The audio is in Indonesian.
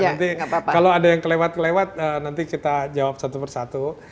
nanti kalau ada yang kelewat kelewat nanti kita jawab satu persatu